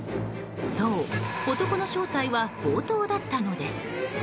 そう、男の正体は強盗だったのです。